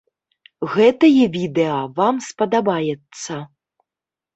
Гэтае відэа вам спадабаецца.